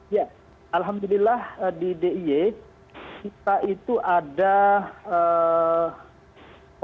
ya alhamdulillah di diy kita itu ada total empat puluh dua tujuh ratus tujuh puluh pebukta